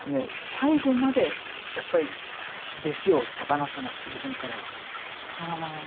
最後までやっぱり弟子を手放さない自分からは。